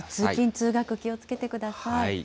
通勤・通学、気をつけてください。